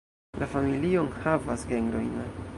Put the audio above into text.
La familio enhavas genrojn.